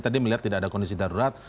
tadi melihat tidak ada kondisi darurat